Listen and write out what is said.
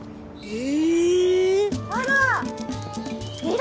え！